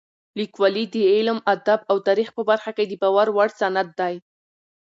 لیکوالی د علم، ادب او تاریخ په برخه کې د باور وړ سند دی.